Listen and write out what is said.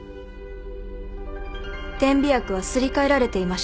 点鼻薬はすり替えられていました。